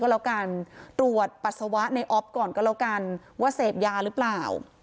แล้วกันตรวจปัสสาวะในออฟก่อนก็แล้วกันว่าเสพยาหรือเปล่า